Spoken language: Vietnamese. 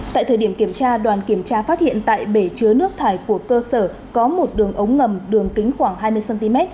tại thời điểm kiểm tra đoàn kiểm tra phát hiện tại bể chứa nước thải của cơ sở có một đường ống ngầm đường kính khoảng hai mươi cm